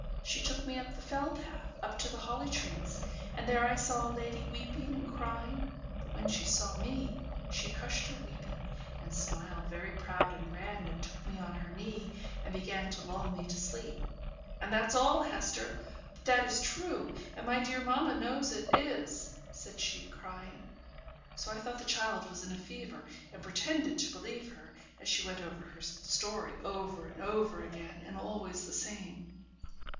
She took me up the Fell path, up to the holly trees; and there I saw a lady weeping and crying; but when she saw me, she hushed her weeping, and smiled very proud and grand, and took me on her knee, and began to lull me to sleep; and that's all, Hester but that is true; and my dear mamma knows it is,' said she, crying. So I thought the child was in a fever, and pretended to believe her, as she went over her story over and over again, and always the same.